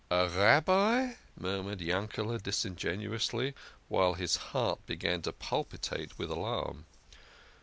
" "A Rabbi!" murmured Yankele" disingenuously, while his heart began to palpitate with alarm.